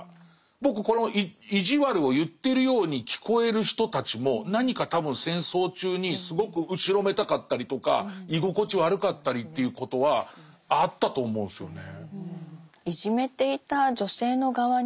僕この意地悪を言ってるように聞こえる人たちも何か多分戦争中にすごく後ろめたかったりとか居心地悪かったりということはあったと思うんですよね。